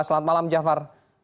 selamat malam jafar